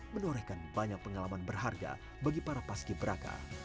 menorehkan banyak pengalaman berharga bagi para paski beraka